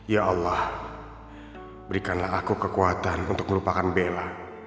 ya allah berikanlah aku kekuatan untuk melupakan bela